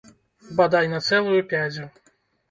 Бадай на цэлую пядзю.